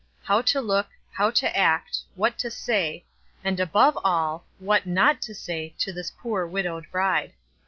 How to look, how to act, what to say, and above all, what not to say to this poor, widowed bride.